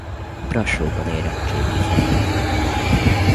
Brassóban érettségizett.